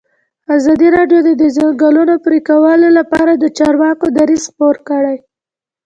ازادي راډیو د د ځنګلونو پرېکول لپاره د چارواکو دریځ خپور کړی.